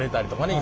今。